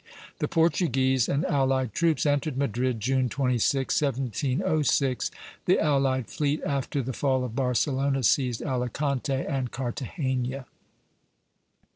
The Portuguese and allied troops entered Madrid, June 26, 1706. The allied fleet, after the fall of Barcelona, seized Alicante and Cartagena.